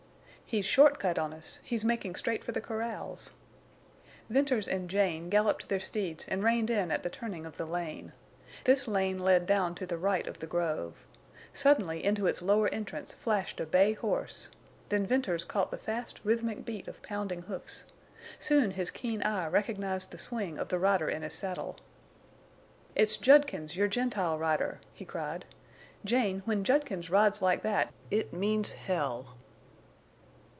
"He's short cut on us—he's making straight for the corrals." Venters and Jane galloped their steeds and reined in at the turning of the lane. This lane led down to the right of the grove. Suddenly into its lower entrance flashed a bay horse. Then Venters caught the fast rhythmic beat of pounding hoofs. Soon his keen eye recognized the swing of the rider in his saddle. "It's Judkins, your Gentile rider!" he cried. "Jane, when Judkins rides like that it means hell!"